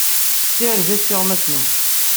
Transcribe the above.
Ssiridet tuɣmas-nwen.